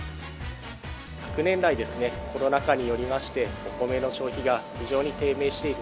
昨年来、コロナ禍によりまして、お米の消費が非常に低迷している。